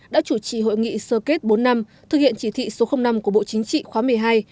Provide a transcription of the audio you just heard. đã chủ trì hội nghị sơ kết bốn năm thực hiện chỉ thị số năm của bộ chính trị khóa một mươi hai